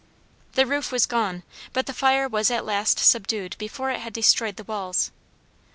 The roof was gone, but the fire was at last subdued before it had destroyed the walls.